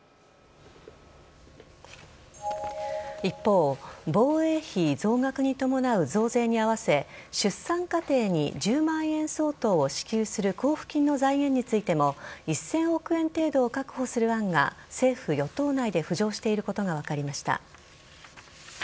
一方防衛費増額に伴う増税に合わせ出産家庭に１０万円相当を支給する交付金の財源についても１０００億円程度を確保する案が政府与党内で浮上していることが分かりました。